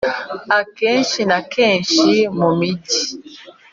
akenshi na kenshi, mu migi